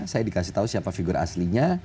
saya dikasih tahu siapa figur aslinya